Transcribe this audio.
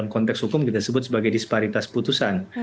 konteks hukum kita sebut sebagai disparitas putusan